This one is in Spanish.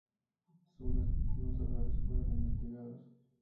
Sus respectivos hogares fueron investigados.